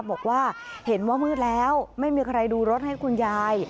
บอกว่าเห็นว่ามืดแล้วไม่มีใครดูรถให้คุณยาย